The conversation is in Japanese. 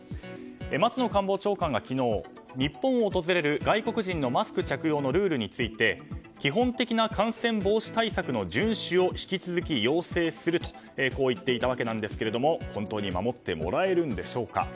松野官房長官は昨日日本を訪れる外国人のマスク着用のルールについて基本的な感染防止対策の順守を引き続き要請すると言っていたわけなんですが本当に守ってもらえるんでしょうか。